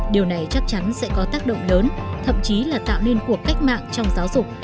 điều này chắc chắn sẽ có tác động lớn thậm chí là tạo nên cuộc cách mạng trong giáo dục